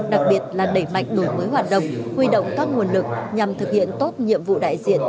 đặc biệt là đẩy mạnh đổi mới hoạt động huy động các nguồn lực nhằm thực hiện tốt nhiệm vụ đại diện